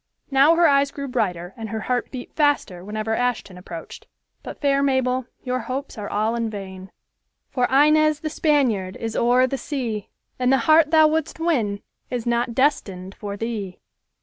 Now her eyes grew brighter and her heart beat faster whenever Ashton approached. But, fair Mabel, your hopes are all in vain. For Inez, the Spaniard, Is o'er the sea, And the heart thou wouldst win Is not destined for thee.